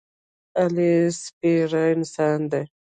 علي سپېره انسان دی.